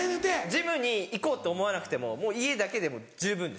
ジムに行こうって思わなくてももう家だけでも十分です。